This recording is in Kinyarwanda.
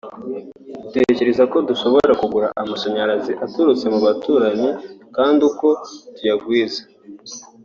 dutekereza ko dushobora kugura n’amashanyarazi aturutse mu baturanyi kandi uko tuyagwiza